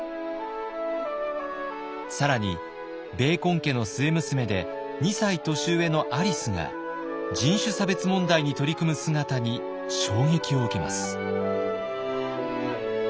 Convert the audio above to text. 更にベーコン家の末娘で２歳年上のアリスが人種差別問題に取り組む姿に衝撃を受けます。